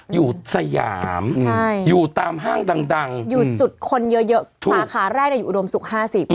สยามอยู่ตามห้างดังอยู่จุดคนเยอะสาขาแรกอยู่อุดมศุกร์๕๐